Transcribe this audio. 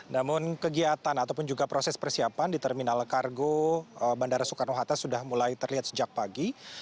namun kegiatan ataupun juga proses persiapan di terminal kargo bandara soekarno hatta sudah mulai terlihat sejak pagi